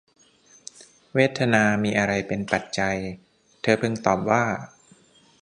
เวทนามีอะไรเป็นปัจจัย เธอพึงตอบว่า